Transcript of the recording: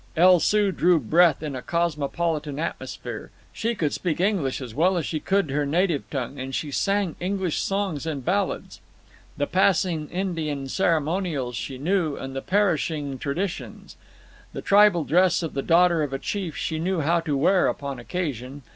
El Soo drew breath in a cosmopolitan atmosphere. She could speak English as well as she could her native tongue, and she sang English songs and ballads. The passing Indian ceremonials she knew, and the perishing traditions. The tribal dress of the daughter of a chief she knew how to wear upon occasion.